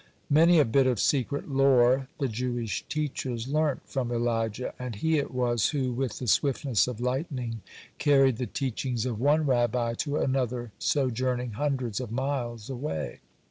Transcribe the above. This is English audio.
Many a bit of secret lore the Jewish teachers learnt from Elijah, and he it was who, with the swiftness of lightning, carried the teachings of one Rabbi to another sojourning hundreds of miles away.